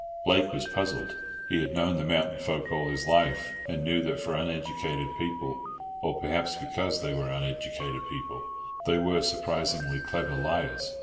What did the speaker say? Blake was puzzled. He had known the mountain folk all his life, and knew that for uneducated people—or perhaps because they were uneducated people—they were surprisingly clever liars.